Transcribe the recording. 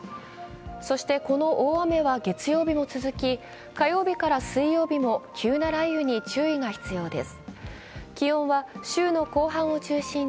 そして、この大雨は月曜日も続き、火曜日から水曜日も急な雷雨に注意が必要です。